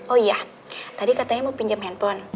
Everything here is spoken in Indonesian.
oh iya tadi katanya mau pinjam handphone